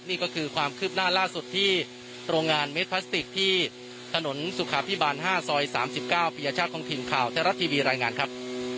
นี่ก็คือความคืบหน้าล่าสุดที่โรงงานเม็ดพลาสติกที่ถนนสุขาพิบาล๕ซอย๓๙ปียชาติของถิ่นข่าวไทยรัฐทีวีรายงานครับ